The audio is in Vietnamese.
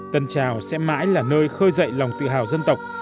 tân trào sẽ mãi là nơi khơi dậy lòng tự hào dân tộc